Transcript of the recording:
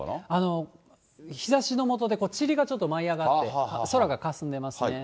日ざしの下で、ちりがちょっと舞い上がって、空がかすんでますね。